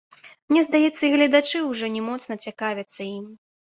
Мне здаецца, і гледачы ўжо не моцна цікавяцца імі.